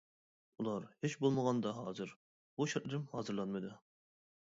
ئۇلار «ھېچبولمىغاندا ھازىر» بۇ شەرتلىرىم ھازىرلانمىدى.